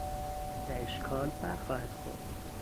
به اشکال بر خواهد خورد.